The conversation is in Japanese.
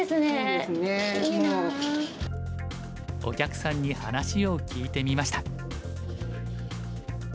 お客さんに話を聞いてみました。